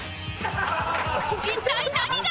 一体何が？